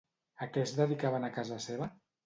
A què es dedicaven a casa seva?